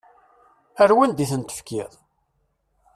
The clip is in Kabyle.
Ar wanda i tent-tefkiḍ?